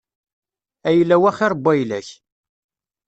Ayla-w axir n wayla-k.